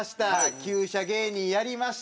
旧車芸人やりました。